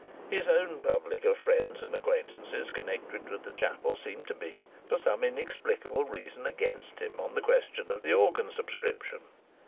His own public of friends and acquaintances connected with the chapel seemed to be, for some inexplicable reason, against him on the question of the organ subscription.